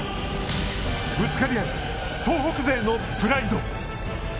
ぶつかり合う東北勢のプライド！